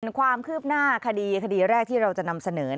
ความคืบหน้าคดีคดีแรกที่เราจะนำเสนอ